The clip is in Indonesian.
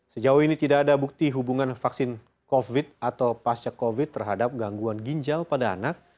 sejauh ini tidak ada bukti hubungan vaksin covid atau pasca covid terhadap gangguan ginjal pada anak